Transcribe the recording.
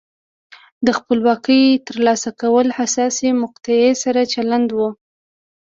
د خپلواکۍ ترلاسه کول حساسې مقطعې سره چلند و.